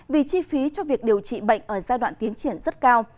vì chi phí cho việc điều trị bệnh ở giai đoạn tiến triển rất cao